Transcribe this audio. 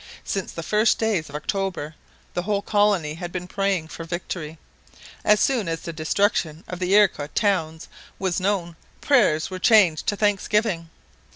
Since the first days of October the whole colony had been praying for victory. As soon as the destruction of the Iroquois towns was known, prayers were changed to thanksgiving.